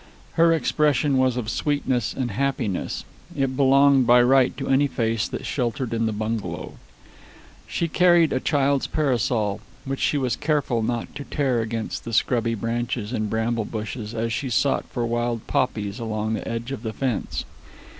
Her expression was of sweetness and happiness; it belonged by right to any face that sheltered in the bungalow. She carried a child's parasol, which she was careful not to tear against the scrubby branches and bramble bushes as she sought for wild poppies along the edge of the fence.